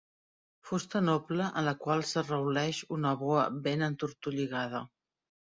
Fusta noble en la qual s'arrauleix una boa ben entortolligada.